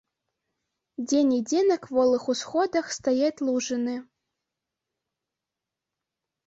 Дзе-нідзе на кволых усходах стаяць лужыны.